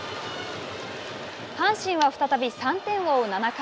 阪神は再び３点を追う７回。